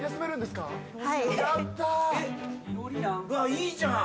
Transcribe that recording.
いいじゃん！